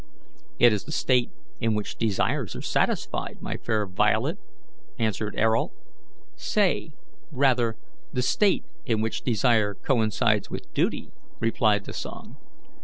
"It is the state in which desires are satisfied, my fair Violet," answered Ayrault. "Say, rather, the state in which desire coincides with duty," replied the song.